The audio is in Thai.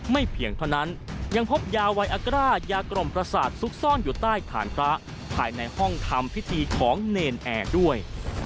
เพียงเท่านั้นยังพบยาไวอากร่ายากล่อมประสาทซุกซ่อนอยู่ใต้ฐานพระภายในห้องทำพิธีของเนรนแอร์ด้วย